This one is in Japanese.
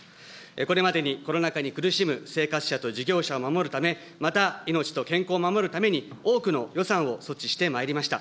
これまでにコロナ禍に苦しむ生活者と事業者を守るため、また、命と健康を守るために、多くの予算を措置してまいりました。